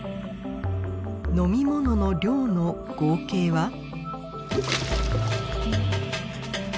飲み物の量の合計は？